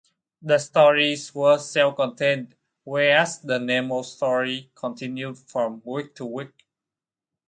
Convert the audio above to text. The stories were self-contained, whereas the "Nemo" story continued from week to week.